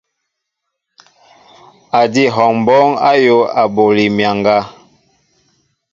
Adi hɔŋɓɔɔŋ ayōō aɓoli myaŋga.